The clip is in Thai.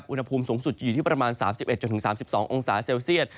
อุณหภูมิสูงสุดจะอยู่ที่ประมาณ๓๑๓๒องศาเซลเซียต